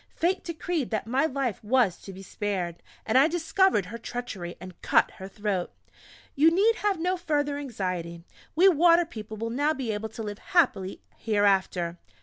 Fate decreed that my life was to be spared, and I discovered her treachery, and cut her throat. You need have no further anxiety; we Water people will now be able to live happily hereafter...."